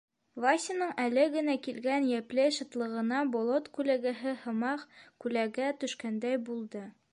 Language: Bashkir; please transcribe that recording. Васяның әле генә килгән йәпле шатлығына болот күләгәһе һымаҡ күләгә төшкәндәй булды.